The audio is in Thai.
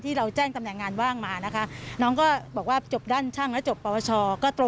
เราแจ้งตำแหน่งงานว่างมานะคะน้องก็บอกว่าจบด้านช่างแล้วจบปวชก็ตรง